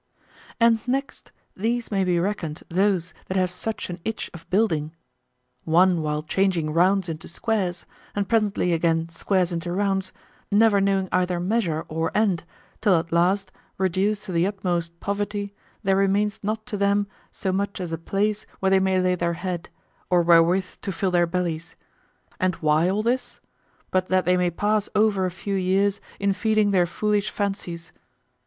And next these may be reckoned those that have such an itch of building; one while changing rounds into squares, and presently again squares into rounds, never knowing either measure or end, till at last, reduced to the utmost poverty, there remains not to them so much as a place where they may lay their head, or wherewith to fill their bellies. And why all this? but that they may pass over a few years in feeding their foolish fancies.